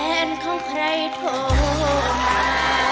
แฟนของใครโทรมา